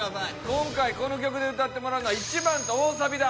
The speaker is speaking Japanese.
今回この曲で歌ってもらうのは１番と大サビだ。